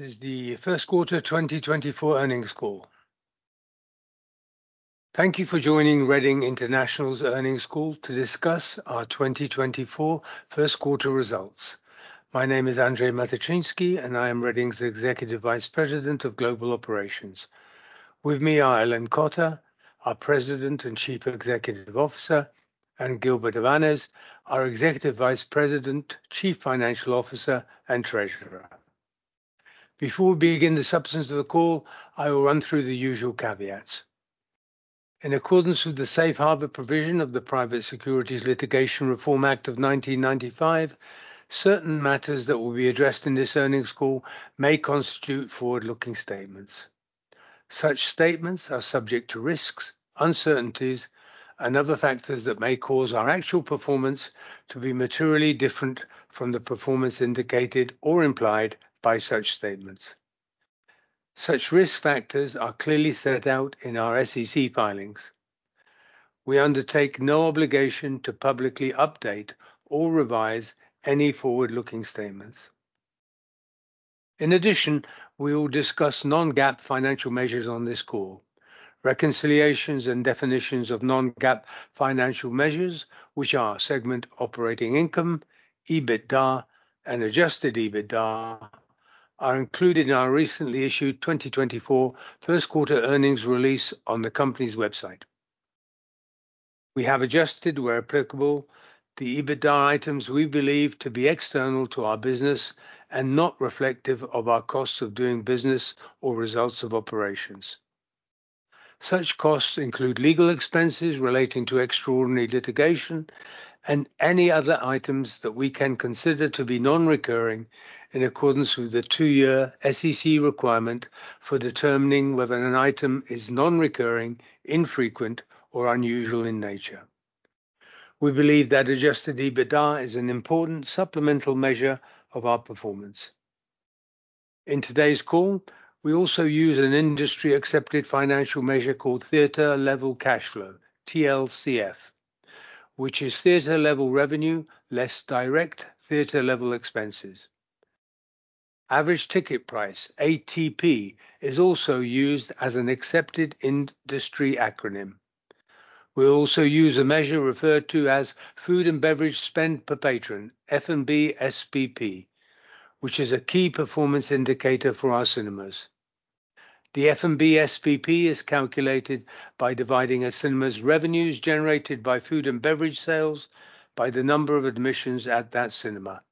This is the First Quarter 2024 Earnings Call. Thank you for joining Reading International's earnings call to discuss our 2024 first quarter results. My name is Andrzej Matyczynski, and I am Reading's Executive Vice President of Global Operations. With me are Ellen Cotter, our President and Chief Executive Officer, and Gilbert Avanes, our Executive Vice President, Chief Financial Officer, and Treasurer. Before we begin the substance of the call, I will run through the usual caveats. In accordance with the safe harbor provision of the Private Securities Litigation Reform Act of 1995, certain matters that will be addressed in this earnings call may constitute forward-looking statements. Such statements are subject to risks, uncertainties, and other factors that may cause our actual performance to be materially different from the performance indicated or implied by such statements. Such risk factors are clearly set out in our SEC filings. We undertake no obligation to publicly update or revise any forward-looking statements. In addition, we will discuss non-GAAP financial measures on this call. Reconciliations and definitions of non-GAAP financial measures, which are segment operating income, EBITDA, and Adjusted EBITDA, are included in our recently issued 2024 first quarter earnings release on the company's website. We have adjusted, where applicable, the EBITDA items we believe to be external to our business and not reflective of our costs of doing business or results of operations. Such costs include legal expenses relating to extraordinary litigation and any other items that we can consider to be non-recurring in accordance with the two-year SEC requirement for determining whether an item is non-recurring, infrequent, or unusual in nature. We believe that Adjusted EBITDA is an important supplemental measure of our performance. In today's call, we also use an industry-accepted financial measure called theater level cash flow, TLCF, which is theater level revenue less direct theater level expenses. Average ticket price, ATP, is also used as an accepted industry acronym. We'll also use a measure referred to as food and beverage spend per patron, F&B SPP, which is a key performance indicator for our cinemas. The F&B SPP is calculated by dividing a cinema's revenues generated by food and beverage sales by the number of admissions at that cinema.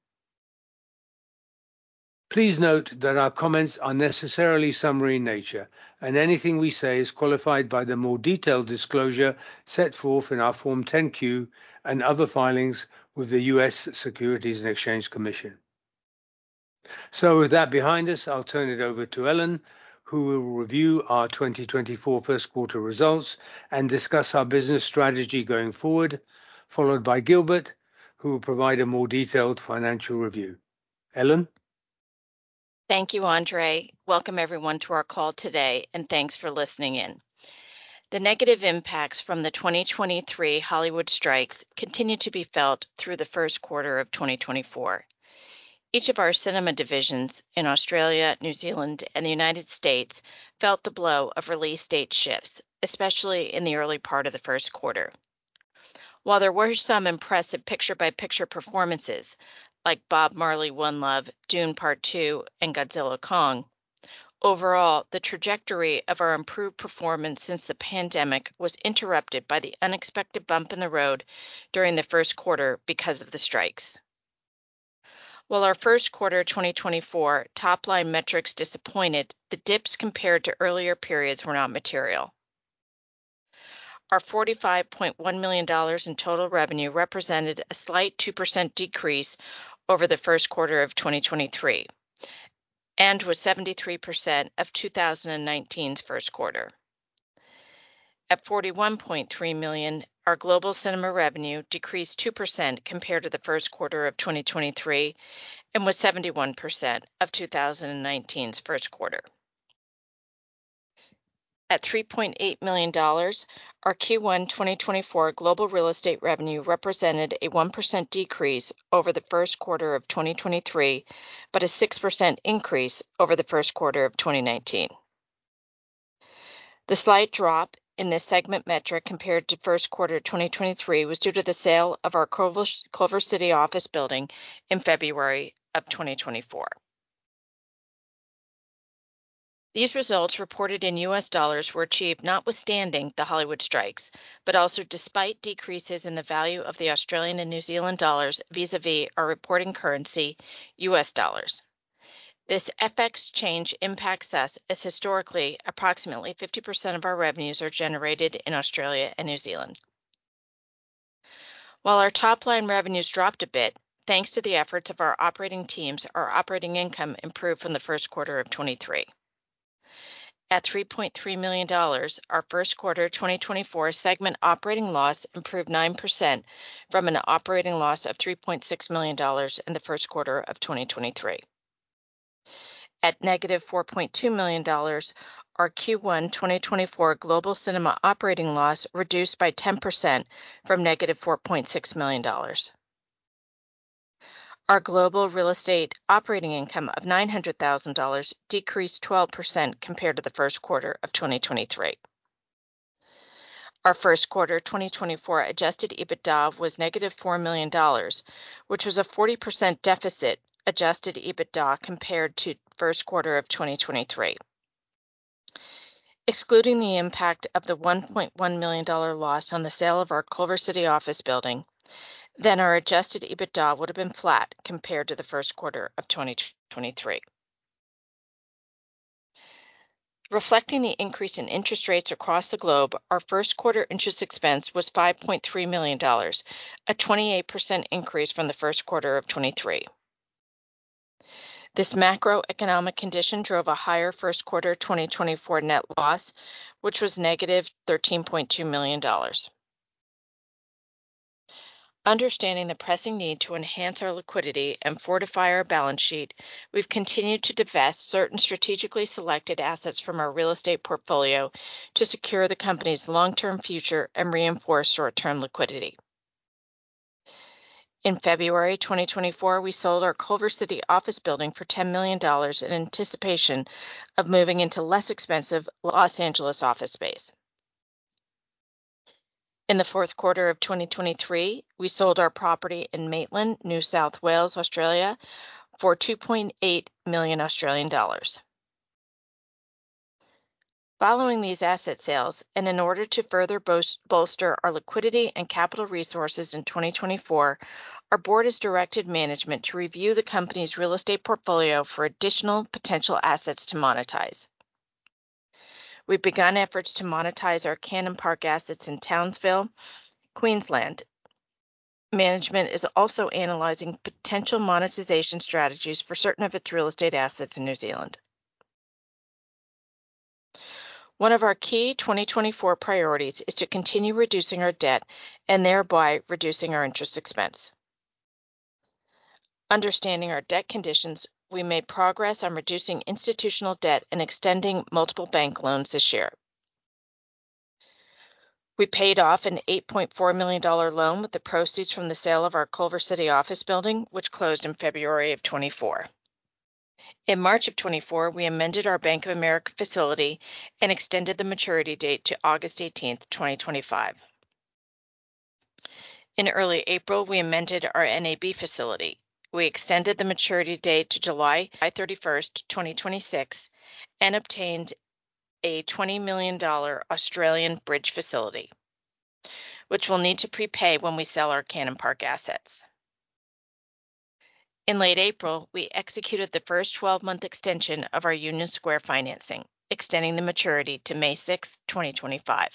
Please note that our comments are necessarily summary in nature, and anything we say is qualified by the more detailed disclosure set forth in our Form 10-Q and other filings with the U.S. Securities and Exchange Commission. With that behind us, I'll turn it over to Ellen, who will review our 2024 first quarter results and discuss our business strategy going forward, followed by Gilbert, who will provide a more detailed financial review. Ellen? Thank you, Andrzej. Welcome, everyone, to our call today, and thanks for listening in. The negative impacts from the 2023 Hollywood strikes continued to be felt through the first quarter of 2024. Each of our cinema divisions in Australia, New Zealand, and the United States felt the blow of release date shifts, especially in the early part of the first quarter. While there were some impressive picture-by-picture performances, like Bob Marley: One Love, Dune: Part Two, and Godzilla x Kong, overall, the trajectory of our improved performance since the pandemic was interrupted by the unexpected bump in the road during the first quarter because of the strikes. While our first quarter 2024 top-line metrics disappointed, the dips compared to earlier periods were not material. Our $45.1 million in total revenue represented a slight 2% decrease over the first quarter of 2023 and was 73% of 2019's first quarter. At $41.3 million, our global cinema revenue decreased 2% compared to the first quarter of 2023 and was 71% of 2019's first quarter. At $3.8 million, our Q1 2024 global real estate revenue represented a 1% decrease over the first quarter of 2023, but a 6% increase over the first quarter of 2019. The slight drop in this segment metric compared to first quarter 2023 was due to the sale of our Culver City office building in February of 2024. These results, reported in U.S. dollars, were achieved notwithstanding the Hollywood strikes, but also despite decreases in the value of the Australian and New Zealand dollars vis-à-vis our reporting currency, U.S. dollars. This FX change impacts us, as historically, approximately 50% of our revenues are generated in Australia and New Zealand. While our top-line revenues dropped a bit, thanks to the efforts of our operating teams, our operating income improved from the first quarter of 2023. At $3.3 million, our first quarter 2024 segment operating loss improved 9% from an operating loss of $3.6 million in the first quarter of 2023. At negative $4.2 million, our Q1 2024 global cinema operating loss reduced by 10% from negative $4.6 million.... Our global real estate operating income of $900,000 decreased 12% compared to the first quarter of 2023. Our first quarter 2024 Adjusted EBITDA was $-4 million, which was a 40% deficit Adjusted EBITDA compared to first quarter of 2023. Excluding the impact of the $1.1 million loss on the sale of our Culver City office building, then our Adjusted EBITDA would have been flat compared to the first quarter of 2023. Reflecting the increase in interest rates across the globe, our first quarter interest expense was $5.3 million, a 28% increase from the first quarter of 2023. This macroeconomic condition drove a higher first quarter 2024 net loss, which was $-13.2 million. Understanding the pressing need to enhance our liquidity and fortify our balance sheet, we've continued to divest certain strategically selected assets from our real estate portfolio to secure the company's long-term future and reinforce short-term liquidity. In February 2024, we sold our Culver City office building for $10 million in anticipation of moving into less expensive Los Angeles office space. In the fourth quarter of 2023, we sold our property in Maitland, New South Wales, Australia, for 2.8 million Australian dollars. Following these asset sales, and in order to further bolster our liquidity and capital resources in 2024, our board has directed management to review the company's real estate portfolio for additional potential assets to monetize. We've begun efforts to monetize our Cannon Park assets in Townsville, Queensland. Management is also analyzing potential monetization strategies for certain of its real estate assets in New Zealand. One of our key 2024 priorities is to continue reducing our debt and thereby reducing our interest expense. Understanding our debt conditions, we made progress on reducing institutional debt and extending multiple bank loans this year. We paid off an $8.4 million loan with the proceeds from the sale of our Culver City office building, which closed in February 2024. In March 2024, we amended our Bank of America facility and extended the maturity date to August 18, 2025. In early April, we amended our NAB facility. We extended the maturity date to July 31, 2026, and obtained an 20 million Australian dollars Australian bridge facility, which we'll need to prepay when we sell our Cannon Park assets. In late April, we executed the first 12-month extension of our Union Square financing, extending the maturity to May 6th, 2025.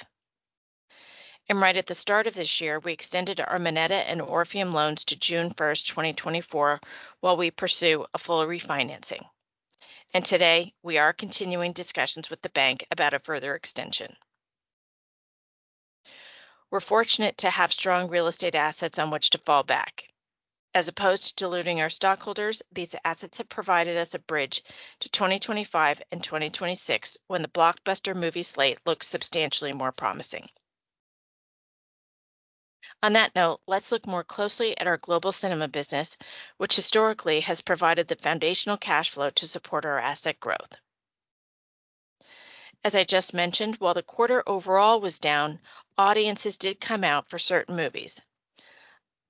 Right at the start of this year, we extended our Minetta and Orpheum loans to June first, 2024, while we pursue a full refinancing. Today, we are continuing discussions with the bank about a further extension. We're fortunate to have strong real estate assets on which to fall back. As opposed to diluting our stockholders, these assets have provided us a bridge to 2025 and 2026, when the blockbuster movie slate looks substantially more promising. On that note, let's look more closely at our global cinema business, which historically has provided the foundational cash flow to support our asset growth. As I just mentioned, while the quarter overall was down, audiences did come out for certain movies.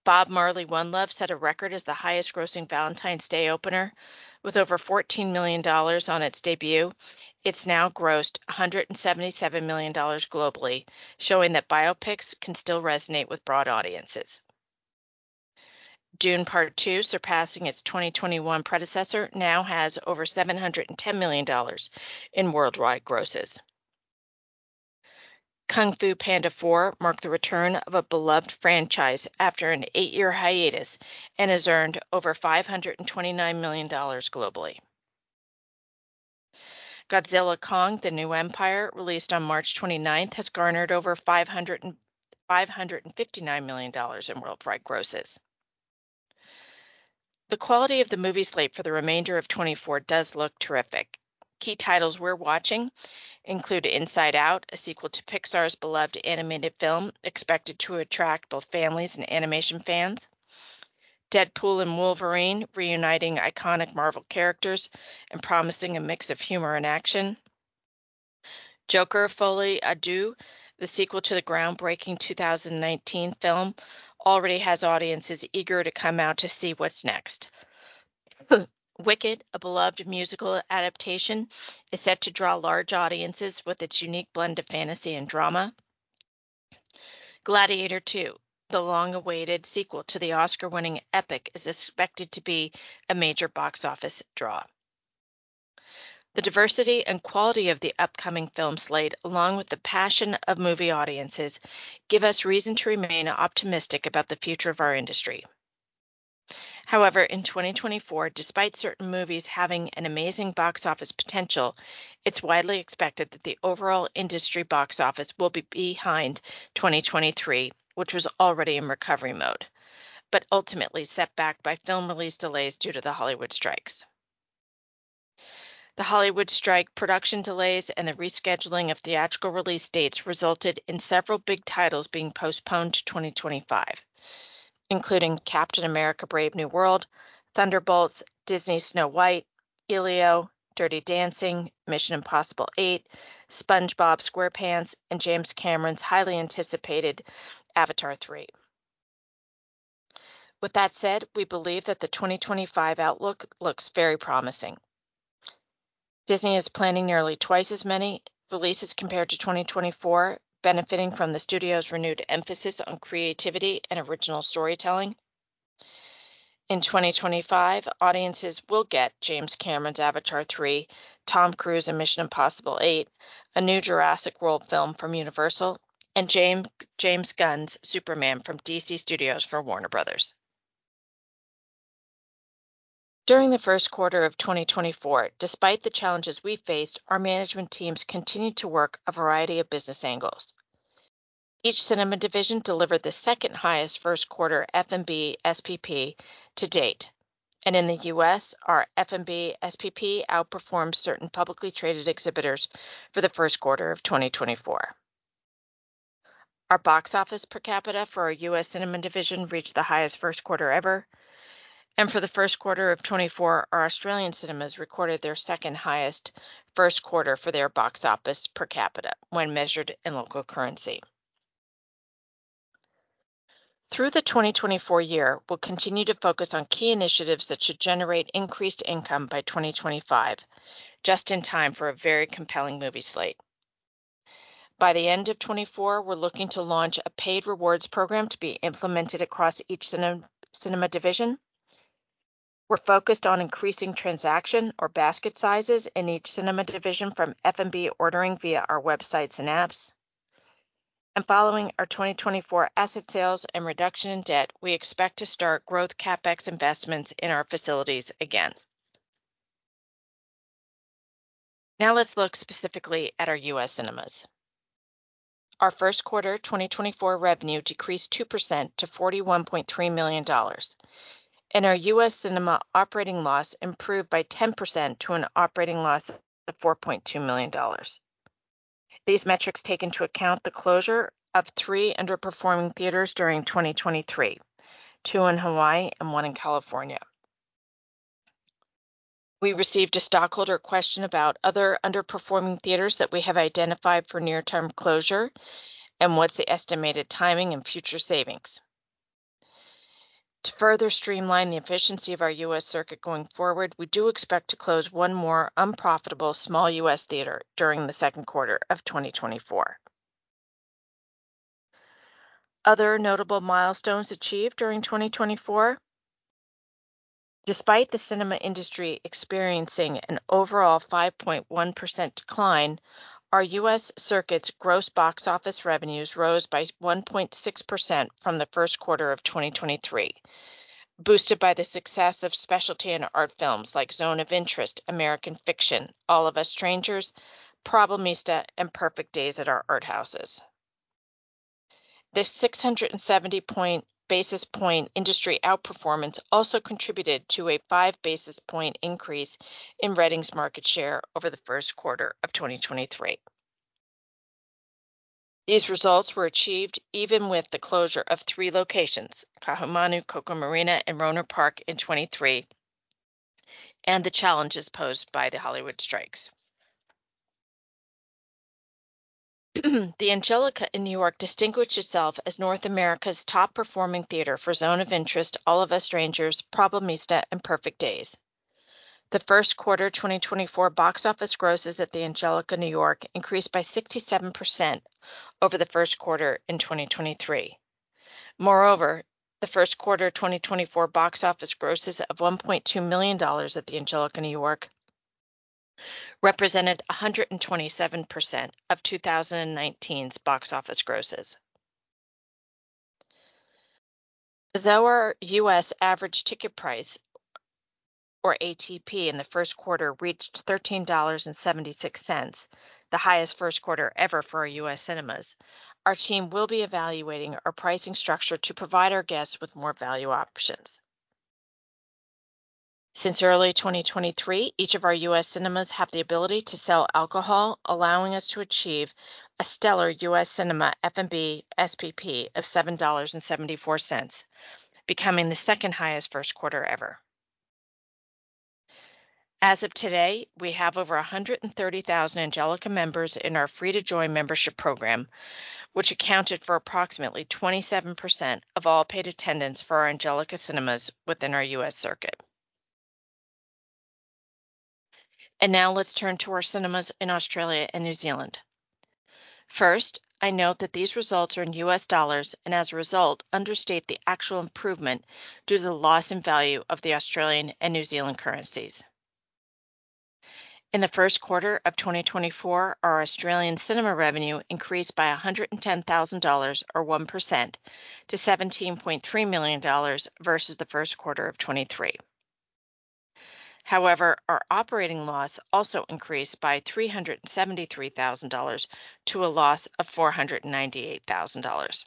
Bob Marley: One Love set a record as the highest grossing Valentine's Day opener with over $14 million on its debut. It's now grossed $177 million globally, showing that biopics can still resonate with broad audiences. Dune: Part Two, surpassing its 2021 predecessor, now has over $710 million in worldwide grosses. Kung Fu Panda 4 marked the return of a beloved franchise after an 8-year hiatus and has earned over $529 million globally. Godzilla x Kong: The New Empire, released on March 29th, has garnered over $559 million in worldwide grosses. The quality of the movie slate for the remainder of 2024 does look terrific. Key titles we're watching include Inside Out, a sequel to Pixar's beloved animated film, expected to attract both families and animation fans. Deadpool and Wolverine, reuniting iconic Marvel characters and promising a mix of humor and action. Joker: Folie à Deux, the sequel to the groundbreaking 2019 film, already has audiences eager to come out to see what's next. Wicked, a beloved musical adaptation, is set to draw large audiences with its unique blend of fantasy and drama. Gladiator II, the long-awaited sequel to the Oscar-winning epic, is expected to be a major box office draw. The diversity and quality of the upcoming film slate, along with the passion of movie audiences, give us reason to remain optimistic about the future of our industry. However, in 2024, despite certain movies having an amazing box office potential, it's widely expected that the overall industry box office will be behind 2023, which was already in recovery mode, but ultimately set back by film release delays due to the Hollywood strikes. The Hollywood strike production delays and the rescheduling of theatrical release dates resulted in several big titles being postponed to 2025, including Captain America: Brave New World, Thunderbolts*, Disney's Snow White, Elio, Dirty Dancing, Mission: Impossible 8, SpongeBob SquarePants, and James Cameron's highly anticipated Avatar 3. With that said, we believe that the 2025 outlook looks very promising. Disney is planning nearly twice as many releases compared to 2024, benefiting from the studio's renewed emphasis on creativity and original storytelling. In 2025, audiences will get James Cameron's Avatar 3, Tom Cruise in Mission: Impossible 8, a new Jurassic World film from Universal, and James Gunn's Superman from DC Studios for Warner Bros. During the first quarter of 2024, despite the challenges we faced, our management teams continued to work a variety of business angles. Each cinema division delivered the second-highest first quarter F&B SPP to date, and in the U.S., our F&B SPP outperformed certain publicly traded exhibitors for the first quarter of 2024. Our box office per capita for our U.S. cinema division reached the highest first quarter ever, and for the first quarter of 2024, our Australian cinemas recorded their second-highest first quarter for their box office per capita when measured in local currency. Through the 2024 year, we'll continue to focus on key initiatives that should generate increased income by 2025, just in time for a very compelling movie slate. By the end of 2024, we're looking to launch a paid rewards program to be implemented across each cinema, cinema division. We're focused on increasing transaction or basket sizes in each cinema division from F&B ordering via our websites and apps. Following our 2024 asset sales and reduction in debt, we expect to start growth CapEx investments in our facilities again. Now let's look specifically at our U.S. cinemas. Our first quarter 2024 revenue decreased 2% to $41.3 million, and our U.S. cinema operating loss improved by 10% to an operating loss of $4.2 million. These metrics take into account the closure of three underperforming theaters during 2023, two in Hawaii and one in California. We received a stockholder question about other underperforming theaters that we have identified for near-term closure and what's the estimated timing and future savings. To further streamline the efficiency of our U.S. circuit going forward, we do expect to close one more unprofitable small U.S. theater during the second quarter of 2024. Other notable milestones achieved during 2024: despite the cinema industry experiencing an overall 5.1% decline, our U.S. circuit's gross box office revenues rose by 1.6% from the first quarter of 2023, boosted by the success of specialty and art films like The Zone of Interest, American Fiction, All of Us Strangers, Problemista, and Perfect Days at our art houses. This 670 basis point industry outperformance also contributed to a 5 basis point increase in Reading's market share over the first quarter of 2023. These results were achieved even with the closure of three locations, Ka'ahumanu, Koko Marina, and Rohnert Park in 2023, and the challenges posed by the Hollywood strikes. The Angelika in New York distinguished itself as North America's top-performing theater for The Zone of Interest, All of Us Strangers, Problemista, and Perfect Days. The first quarter 2024 box office grosses at the Angelika in New York increased by 67% over the first quarter in 2023. Moreover, the first quarter 2024 box office grosses of $1.2 million at the Angelika New York represented 127% of 2019's box office grosses. Though our U.S. average ticket price, or ATP, in the first quarter reached $13.76, the highest first quarter ever for our U.S. cinemas, our team will be evaluating our pricing structure to provide our guests with more value options. Since early 2023, each of our U.S. cinemas have the ability to sell alcohol, allowing us to achieve a stellar U.S. cinema F&B SPP of $7.74, becoming the second-highest first quarter ever. As of today, we have over 130,000 Angelika members in our Free to Join membership program, which accounted for approximately 27% of all paid attendance for our Angelika Cinemas within our U.S. circuit. Now, let's turn to our cinemas in Australia and New Zealand. First, I note that these results are in U.S. dollars, and as a result, understate the actual improvement due to the loss in value of the Australian and New Zealand currencies. In the first quarter of 2024, our Australian cinema revenue increased by $110,000, or 1%, to $17.3 million versus the first quarter of 2023. However, our operating loss also increased by $373,000 to a loss of $498,000...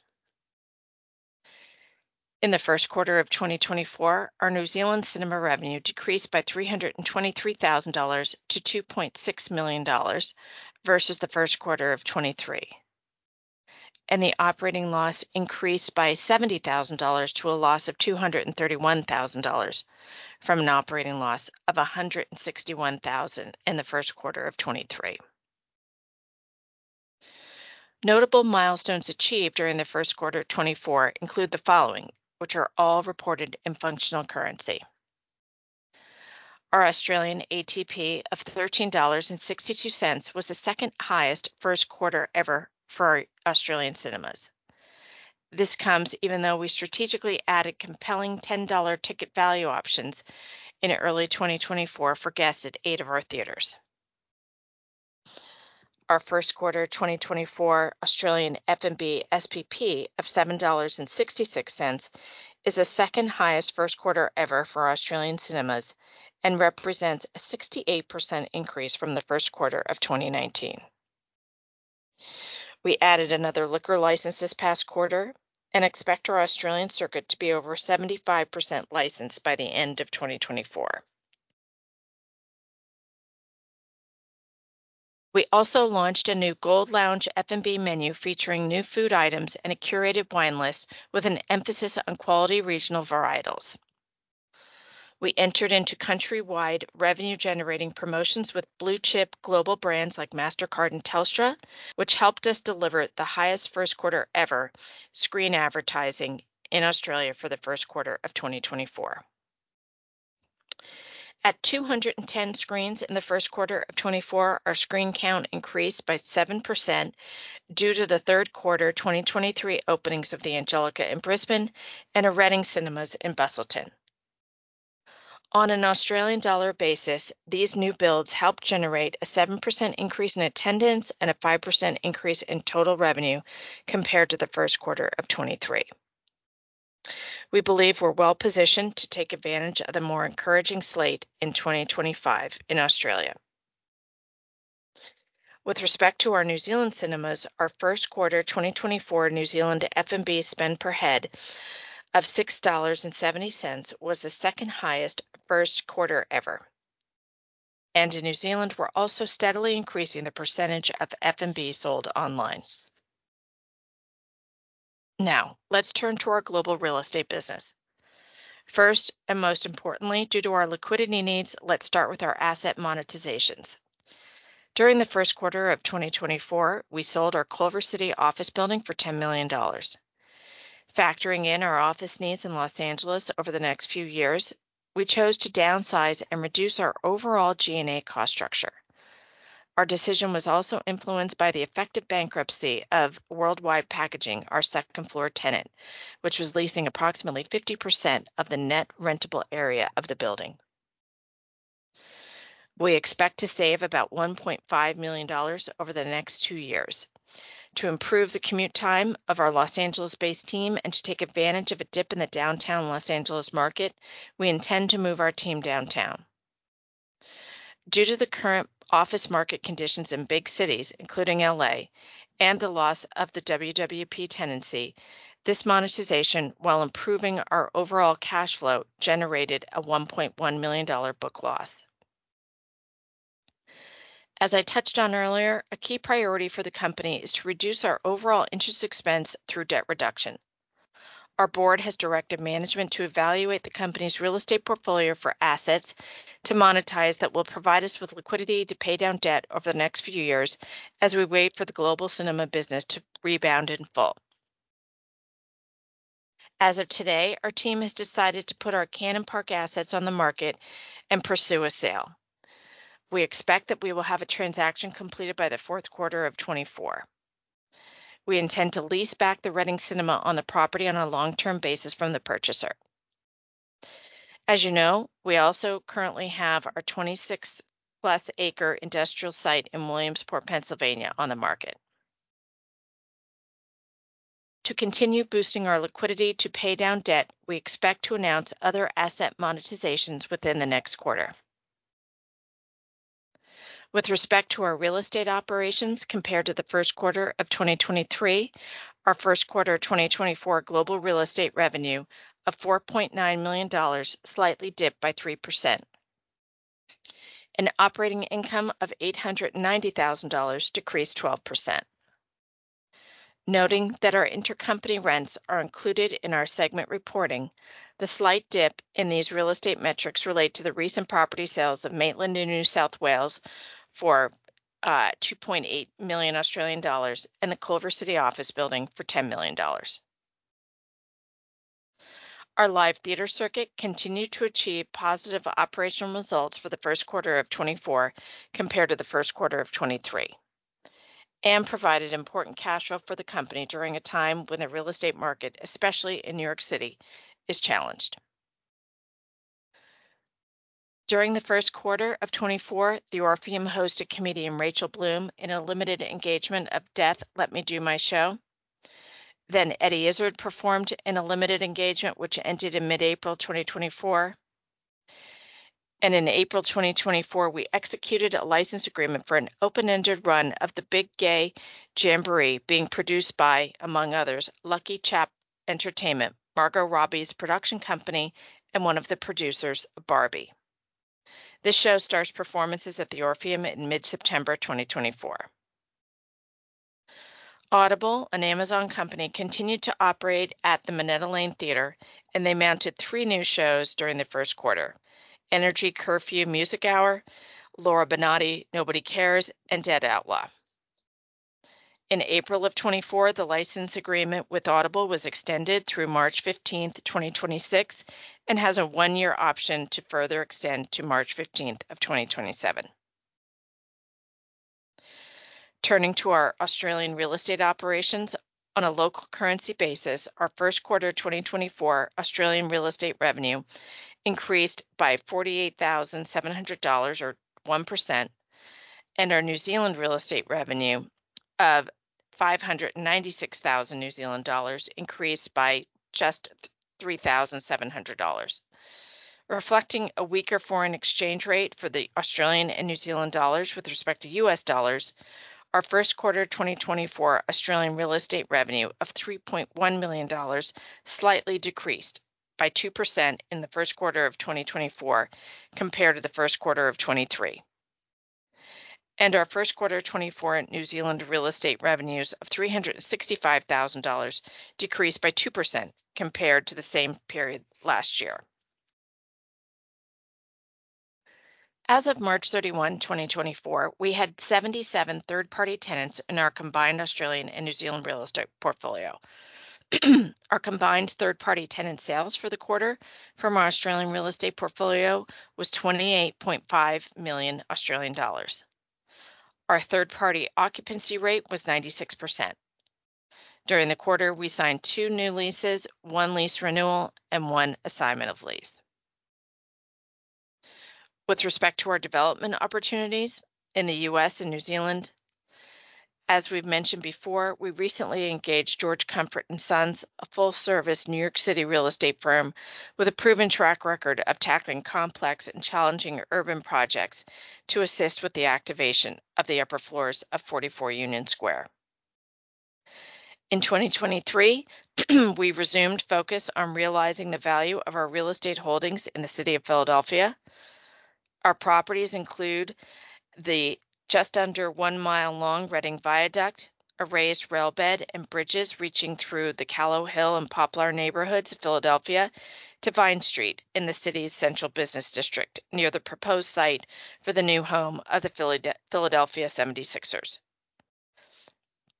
In the first quarter of 2024, our New Zealand cinema revenue decreased by $323,000 to $2.6 million, versus the first quarter of 2023. And the operating loss increased by $70,000 to a loss of $231,000, from an operating loss of $161,000 in the first quarter of 2023. Notable milestones achieved during the first quarter of 2024 include the following, which are all reported in functional currency. Our Australian ATP of 13.62 dollars was the second highest first quarter ever for our Australian cinemas. This comes even though we strategically added compelling 10-dollar ticket value options in early 2024 for guests at eight of our theaters. Our first quarter 2024 Australian F&B SPP of 7.66 dollars is the second highest first quarter ever for Australian cinemas and represents a 68% increase from the first quarter of 2019. We added another liquor license this past quarter and expect our Australian circuit to be over 75% licensed by the end of 2024. We also launched a new Gold Lounge F&B menu, featuring new food items and a curated wine list with an emphasis on quality regional varietals. We entered into countrywide revenue-generating promotions with blue-chip global brands like Mastercard and Telstra, which helped us deliver the highest first quarter ever screen advertising in Australia for the first quarter of 2024. At 210 screens in the first quarter of 2024, our screen count increased by 7% due to the third quarter 2023 openings of the Angelika in Brisbane and a Reading Cinemas in Busselton. On an Australian dollar basis, these new builds helped generate a 7% increase in attendance and a 5% increase in total revenue compared to the first quarter of 2023. We believe we're well-positioned to take advantage of the more encouraging slate in 2025 in Australia. With respect to our New Zealand cinemas, our first quarter 2024 New Zealand F&B spend per head of 6.70 dollars was the second highest first quarter ever. In New Zealand, we're also steadily increasing the percentage of F&B sold online. Now, let's turn to our global real estate business. First, and most importantly, due to our liquidity needs, let's start with our asset monetizations. During the first quarter of 2024, we sold our Culver City office building for $10 million. Factoring in our office needs in Los Angeles over the next few years, we chose to downsize and reduce our overall G&A cost structure. Our decision was also influenced by the effective bankruptcy of Worldwide Packaging, our second-floor tenant, which was leasing approximately 50% of the net rentable area of the building. We expect to save about $1.5 million over the next two years. To improve the commute time of our Los Angeles-based team and to take advantage of a dip in the downtown Los Angeles market, we intend to move our team downtown. Due to the current office market conditions in big cities, including L.A., and the loss of the WWP tenancy, this monetization, while improving our overall cash flow, generated a $1.1 million book loss. As I touched on earlier, a key priority for the company is to reduce our overall interest expense through debt reduction. Our board has directed management to evaluate the company's real estate portfolio for assets to monetize that will provide us with liquidity to pay down debt over the next few years as we wait for the global cinema business to rebound in full. As of today, our team has decided to put our Cannon Park assets on the market and pursue a sale. We expect that we will have a transaction completed by the fourth quarter of 2024. We intend to lease back the Reading Cinema on the property on a long-term basis from the purchaser. As you know, we also currently have our 26 plus-acre industrial site in Williamsport, Pennsylvania, on the market. To continue boosting our liquidity to pay down debt, we expect to announce other asset monetizations within the next quarter. With respect to our real estate operations, compared to the first quarter of 2023, our first quarter 2024 global real estate revenue of $4.9 million slightly dipped by 3%, and operating income of $890,000 decreased 12%. Noting that our intercompany rents are included in our segment reporting, the slight dip in these real estate metrics relate to the recent property sales of Maitland in New South Wales for 2.8 million Australian dollars and the Culver City office building for $10 million. Our live theater circuit continued to achieve positive operational results for the first quarter of 2024 compared to the first quarter of 2023 and provided important cash flow for the company during a time when the real estate market, especially in New York City, is challenged. During the first quarter of 2024, the Orpheum hosted comedian Rachel Bloom in a limited engagement of Death, Let Me Do My Show. Then Eddie Izzard performed in a limited engagement, which ended in mid-April 2024... In April 2024, we executed a license agreement for an open-ended run of The Big Gay Jamboree being produced by, among others, LuckyChap Entertainment, Margot Robbie's production company, and one of the producers of Barbie. This show starts performances at the Orpheum in mid-September 2024. Audible, an Amazon company, continued to operate at the Minetta Lane Theatre, and they mounted three new shows during the first quarter: Energy Curfew Music Hour, Laura Benanti: Nobody Cares, and Dead Outlaw. In April of 2024, the license agreement with Audible was extended through March fifteenth, 2026, and has a one-year option to further extend to March fifteenth of 2027. Turning to our Australian real estate operations, on a local currency basis, our first quarter 2024 Australian real estate revenue increased by 48,700 dollars, or 1%, and our New Zealand real estate revenue of 596,000 New Zealand dollars increased by just 3,700 dollars. Reflecting a weaker foreign exchange rate for the Australian and New Zealand dollars with respect to U.S. dollars, our first quarter 2024 Australian real estate revenue of $3.1 million slightly decreased by 2% in the first quarter of 2024 compared to the first quarter of 2023. And our first quarter 2024 New Zealand real estate revenues of $365,000 decreased by 2% compared to the same period last year. As of March 31, 2024, we had 77 third-party tenants in our combined Australian and New Zealand real estate portfolio. Our combined third-party tenant sales for the quarter from our Australian real estate portfolio was 28.5 million Australian dollars. Our third-party occupancy rate was 96%. During the quarter, we signed two new leases, one lease renewal, and one assignment of lease. With respect to our development opportunities in the U.S. and New Zealand, as we've mentioned before, we recently engaged George Comfort & Sons, a full-service New York City real estate firm with a proven track record of tackling complex and challenging urban projects, to assist with the activation of the upper floors of 44 Union Square. In 2023, we resumed focus on realizing the value of our real estate holdings in the city of Philadelphia. Our properties include the just under one mile long Reading Viaduct, a raised rail bed, and bridges reaching through the Callowhill and Poplar neighborhoods of Philadelphia to Vine Street in the city's central business district, near the proposed site for the new home of the Philadelphia 76ers.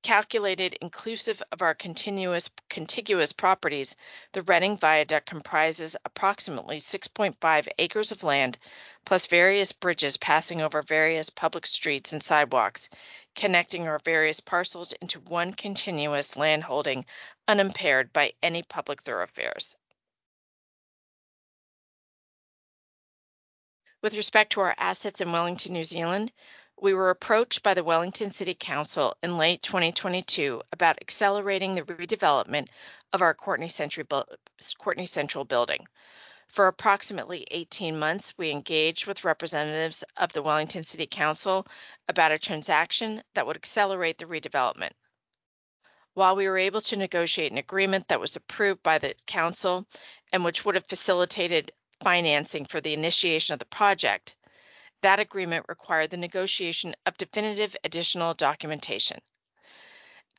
Calculated inclusive of our continuous, contiguous properties, the Reading Viaduct comprises approximately 6.5 acres of land, plus various bridges passing over various public streets and sidewalks, connecting our various parcels into one continuous landholding, unimpaired by any public thoroughfares. With respect to our assets in Wellington, New Zealand, we were approached by the Wellington City Council in late 2022 about accelerating the redevelopment of our Courtenay Central building. For approximately 18 months, we engaged with representatives of the Wellington City Council about a transaction that would accelerate the redevelopment. While we were able to negotiate an agreement that was approved by the council and which would have facilitated financing for the initiation of the project, that agreement required the negotiation of definitive additional documentation.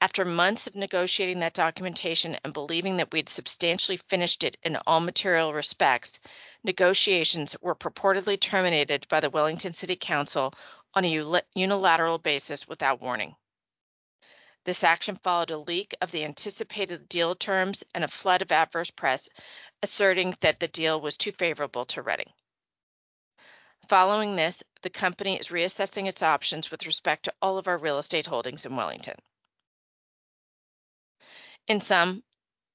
After months of negotiating that documentation and believing that we'd substantially finished it in all material respects, negotiations were purportedly terminated by the Wellington City Council on a unilateral basis without warning. This action followed a leak of the anticipated deal terms and a flood of adverse press, asserting that the deal was too favorable to Reading. Following this, the company is reassessing its options with respect to all of our real estate holdings in Wellington. In sum,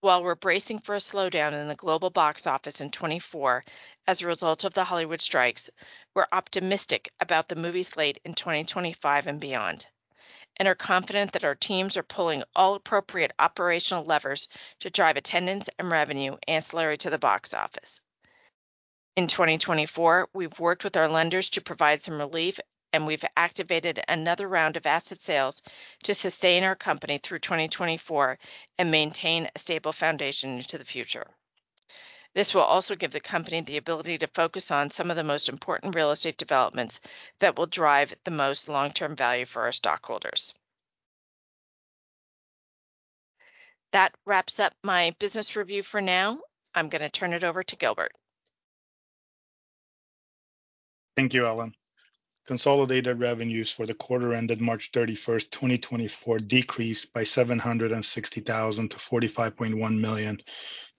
while we're bracing for a slowdown in the global box office in 2024 as a result of the Hollywood strikes, we're optimistic about the movie slate in 2025 and beyond, and are confident that our teams are pulling all appropriate operational levers to drive attendance and revenue ancillary to the box office. In 2024, we've worked with our lenders to provide some relief, and we've activated another round of asset sales to sustain our company through 2024 and maintain a stable foundation into the future. This will also give the company the ability to focus on some of the most important real estate developments that will drive the most long-term value for our stockholders. That wraps up my business review for now. I'm gonna turn it over to Gilbert. Thank you, Ellen. Consolidated revenues for the quarter ended March 31, 2024, decreased by $760,000 to $45.1 million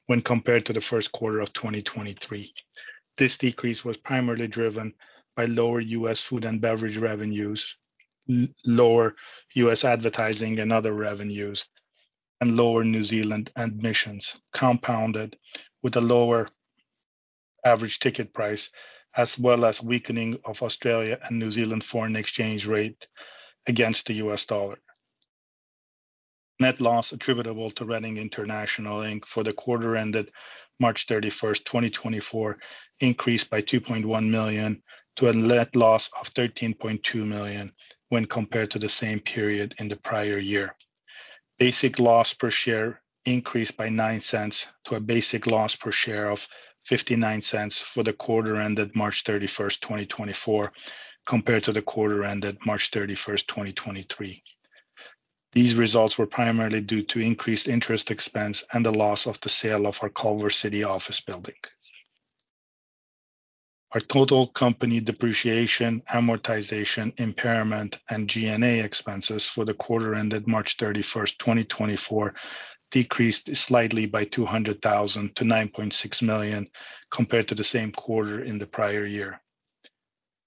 when compared to the first quarter of 2023. This decrease was primarily driven by lower U.S. food and beverage revenues, lower U.S. advertising and other revenues, and lower New Zealand admissions, compounded with a lower average ticket price, as well as weakening of Australia and New Zealand foreign exchange rate against the U.S. dollar.... Net loss attributable to Reading International Inc. for the quarter ended March 31, 2024, increased by $2.1 million to a net loss of $13.2 million when compared to the same period in the prior year. Basic loss per share increased by $0.09 to a basic loss per share of $0.59 for the quarter ended March 31, 2024, compared to the quarter ended March 31, 2023. These results were primarily due to increased interest expense and the loss on the sale of our Culver City office building. Our total company depreciation, amortization, impairment, and G&A expenses for the quarter ended March 31, 2024, decreased slightly by $200,000-$9.6 million, compared to the same quarter in the prior year.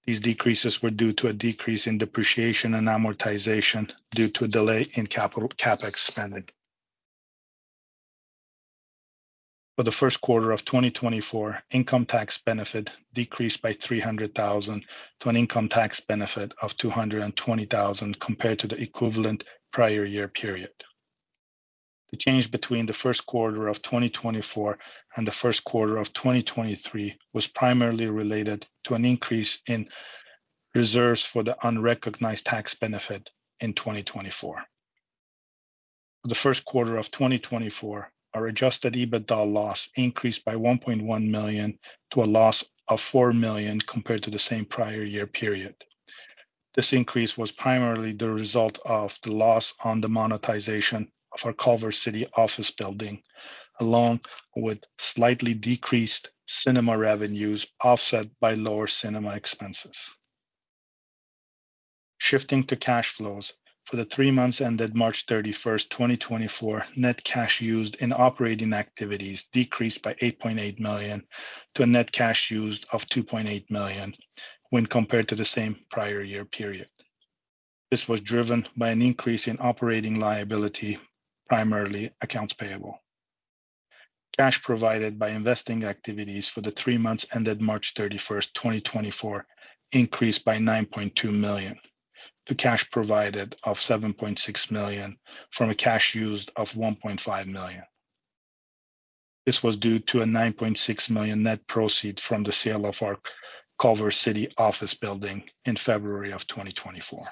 These decreases were due to a decrease in depreciation and amortization due to a delay in capital CapEx spending. For the first quarter of 2024, income tax benefit decreased by $300,000 to an income tax benefit of $220,000 compared to the equivalent prior year period. The change between the first quarter of 2024 and the first quarter of 2023 was primarily related to an increase in reserves for the unrecognized tax benefit in 2024. For the first quarter of 2024, our Adjusted EBITDA loss increased by $1.1 million to a loss of $4 million compared to the same prior year period. This increase was primarily the result of the loss on the monetization of our Culver City office building, along with slightly decreased cinema revenues, offset by lower cinema expenses. Shifting to cash flows. For the three months ended March 31, 2024, net cash used in operating activities decreased by $8.8 million, to a net cash used of $2.8 million when compared to the same prior year period. This was driven by an increase in operating liability, primarily accounts payable. Cash provided by investing activities for the three months ended March 31, 2024, increased by $9.2 million. The cash provided of $7.6 million from a cash used of $1.5 million. This was due to a $9.6 million net proceeds from the sale of our Culver City office building in February of 2024.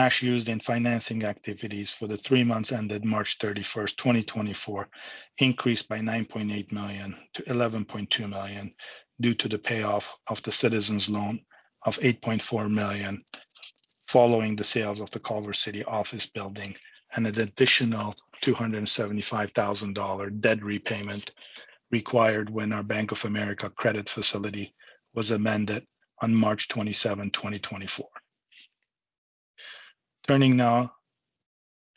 Cash used in financing activities for the three months ended March 31, 2024, increased by $9.8 million-$11.2 million due to the payoff of the Citizens loan of $8.4 million, following the sale of the Culver City office building, and an additional $275,000 debt repayment required when our Bank of America credit facility was amended on March 27, 2024. Turning now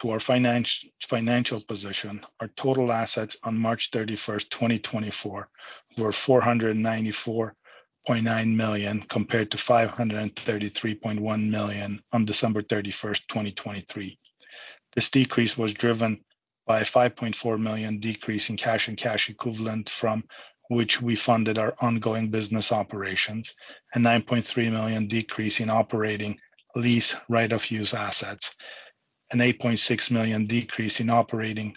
to our financial position. Our total assets on March 31, 2024, were $494.9 million, compared to $533.1 million on December 31, 2023. This decrease was driven by a $5.4 million decrease in cash and cash equivalent, from which we funded our ongoing business operations, a $9.3 million decrease in operating lease right of use assets, an $8.6 million decrease in operating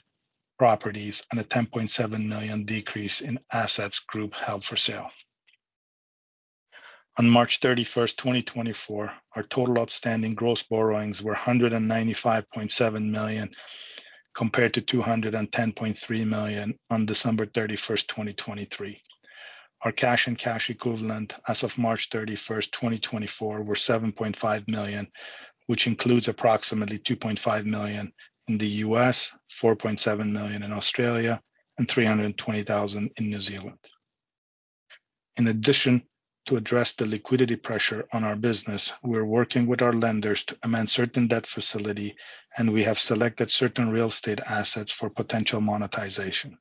properties, and a $10.7 million decrease in assets group held for sale. On March 31, 2024, our total outstanding gross borrowings were $195.7 million, compared to $210.3 million on December 31, 2023. Our cash and cash equivalent as of March 31st, 2024, were $7.5 million, which includes approximately $2.5 million in the U.S., 4.7 million in Australia, and 320,000 in New Zealand. In addition, to address the liquidity pressure on our business, we're working with our lenders to amend certain debt facility, and we have selected certain real estate assets for potential monetization.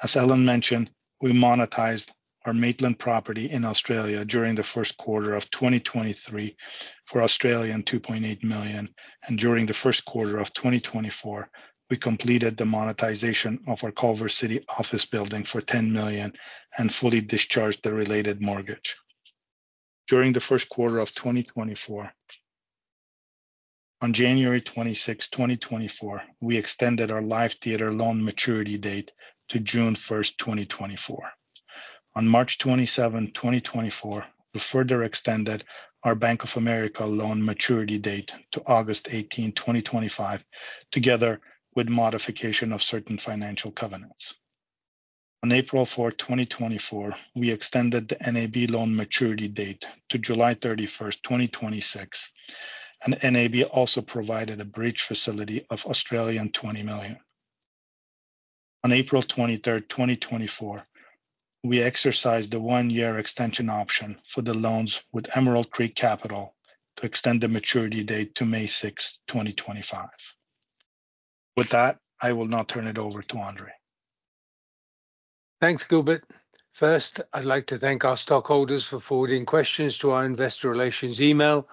As Ellen mentioned, we monetized our Maitland property in Australia during the first quarter of 2023 for 2.8 million, and during the first quarter of 2024, we completed the monetization of our Culver City office building for $10 million and fully discharged the related mortgage. During the first quarter of 2024, on January 26th, 2024, we extended our live theater loan maturity date to June 1st, 2024. On March 27, 2024, we further extended our Bank of America loan maturity date to August 18, 2025, together with modification of certain financial covenants. On April 4, 2024, we extended the NAB loan maturity date to July 31, 2026, and NAB also provided a bridge facility of 20 million. On April 23, 2024, we exercised the one-year extension option for the loans with Emerald Creek Capital to extend the maturity date to May 6, 2025. With that, I will now turn it over to Andrzej. Thanks, Gilbert. First, I'd like to thank our stockholders for forwarding questions to our investor relations email.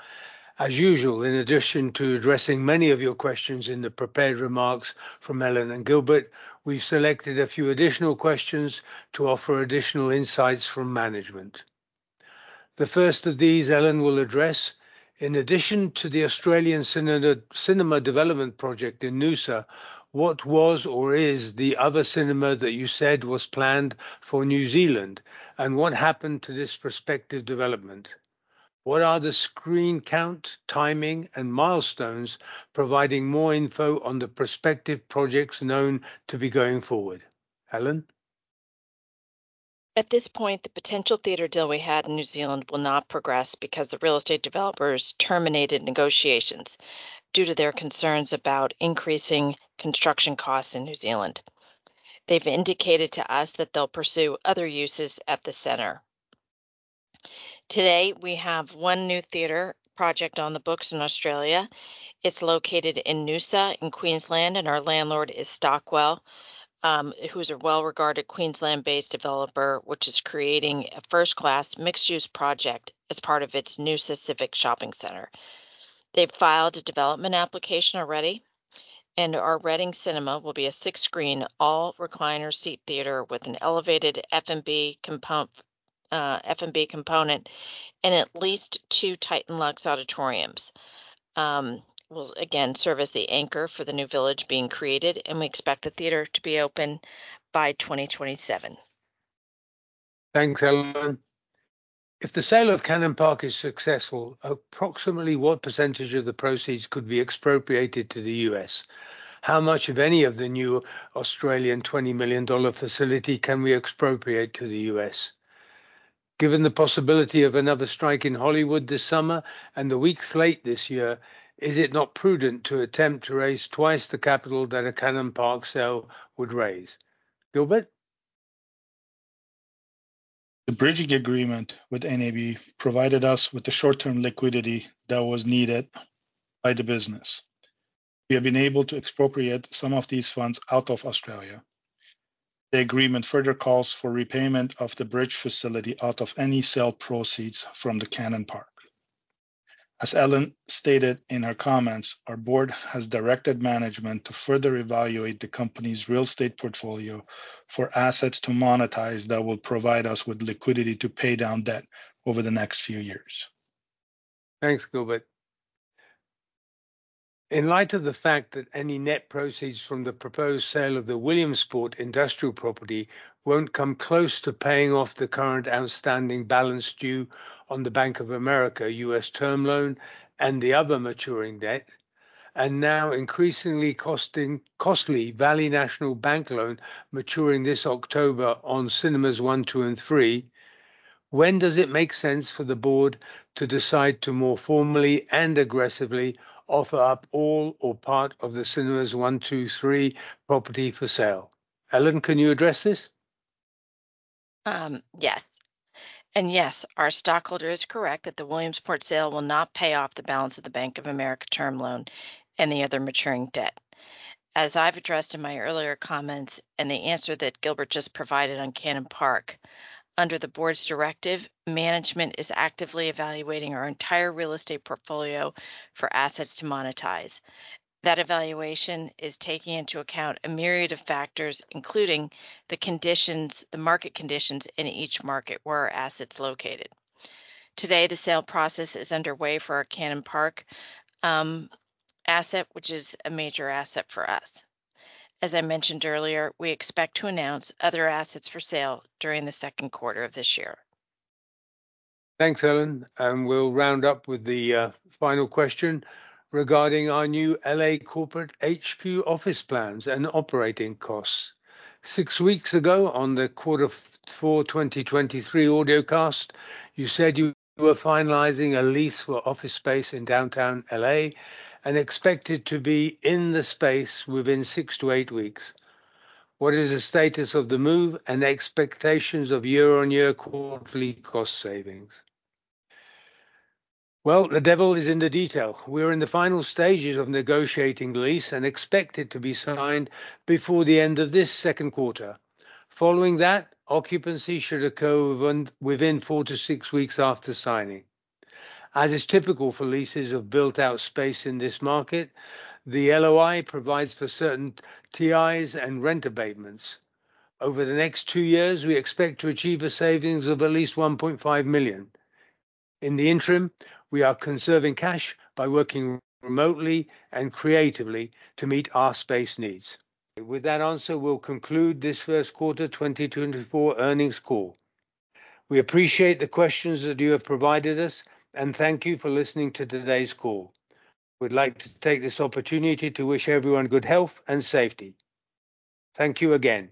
As usual, in addition to addressing many of your questions in the prepared remarks from Ellen and Gilbert, we've selected a few additional questions to offer additional insights from management.... The first of these, Ellen will address. In addition to the Australian cinema, cinema development project in Noosa, what was or is the other cinema that you said was planned for New Zealand, and what happened to this prospective development? What are the screen count, timing, and milestones providing more info on the prospective projects known to be going forward? Ellen? At this point, the potential theater deal we had in New Zealand will not progress because the real estate developers terminated negotiations due to their concerns about increasing construction costs in New Zealand. They've indicated to us that they'll pursue other uses at the center. Today, we have one new theater project on the books in Australia. It's located in Noosa, in Queensland, and our landlord is Stockwell, who's a well-regarded Queensland-based developer, which is creating a first-class mixed-use project as part of its Noosa Civic shopping center. They've filed a development application already, and our Reading Cinema will be a six-screen, all-recliner seat theater with an elevated F&B component, and at least two TITAN LUXE auditoriums. It will again serve as the anchor for the new village being created, and we expect the theater to be open by 2027. Thanks, Ellen. If the sale of Cannon Park is successful, approximately what percentage of the proceeds could be expropriated to the U.S.? How much of any of the new Australian 20 million Australian dollars facility can we expropriate to the U.S.? Given the possibility of another strike in Hollywood this summer and the weeks late this year, is it not prudent to attempt to raise twice the capital that a Cannon Park sale would raise? Gilbert? The bridging agreement with NAB provided us with the short-term liquidity that was needed by the business. We have been able to expropriate some of these funds out of Australia. The agreement further calls for repayment of the bridge facility out of any sale proceeds from the Cannon Park. As Ellen stated in her comments, our board has directed management to further evaluate the company's real estate portfolio for assets to monetize that will provide us with liquidity to pay down debt over the next few years. Thanks, Gilbert. In light of the fact that any net proceeds from the proposed sale of the Williamsport industrial property won't come close to paying off the current outstanding balance due on the Bank of America U.S. term loan and the other maturing debt, and now increasingly costly Valley National Bank loan maturing this October on Cinemas 1, 2, and 3, when does it make sense for the board to decide to more formally and aggressively offer up all or part of the Cinemas 1, 2, 3 property for sale? Ellen, can you address this? Yes. And yes, our stockholder is correct that the Williamsport sale will not pay off the balance of the Bank of America term loan and the other maturing debt. As I've addressed in my earlier comments and the answer that Gilbert just provided on Cannon Park, under the board's directive, management is actively evaluating our entire real estate portfolio for assets to monetize. That evaluation is taking into account a myriad of factors, including the conditions, the market conditions in each market where our assets are located. Today, the sale process is underway for our Cannon Park asset, which is a major asset for us. As I mentioned earlier, we expect to announce other assets for sale during the second quarter of this year. Thanks, Ellen, and we'll round up with the final question regarding our new L.A. corporate HQ office plans and operating costs. Six weeks ago, on the Quarter four 2023 audio cast, you said you were finalizing a lease for office space in downtown L.A. and expected to be in the space within 6-8 weeks. What is the status of the move and the expectations of year-on-year quarterly cost savings? Well, the devil is in the detail. We are in the final stages of negotiating the lease and expect it to be signed before the end of this second quarter. Following that, occupancy should occur within 4-6 weeks after signing. As is typical for leases of built-out space in this market, the LOI provides for certain TIs and rent abatements. Over the next two years, we expect to achieve a savings of at least $1.5 million. In the interim, we are conserving cash by working remotely and creatively to meet our space needs. With that answer, we'll conclude this first quarter 2024 earnings call. We appreciate the questions that you have provided us, and thank you for listening to today's call. We'd like to take this opportunity to wish everyone good health and safety. Thank you again.